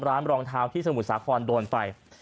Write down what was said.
ร้านรองเท้าที่สมุทรศาคนนป์โดนไป